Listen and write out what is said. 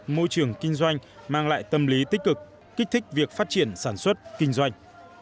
môi trường kinh doanh mang lại tâm lý tích cực kích thích việc phát triển sản xuất kinh doanh